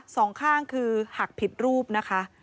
สองข้างคือหักผิดรูปนะคะ